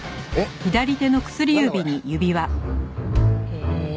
へえ。